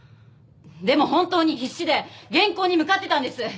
でも本当に必死で原稿に向かってたんです。